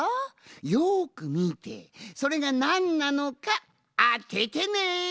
よくみてそれがなんなのかあててね。